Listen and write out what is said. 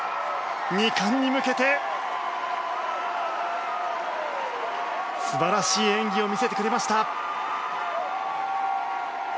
２冠に向けて、素晴らしい演技を見せてくれました。